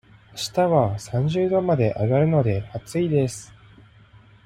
あしたは三十度まで上がるので、暑いです。